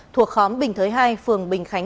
thuộc khóm bình thới hai phường bình khánh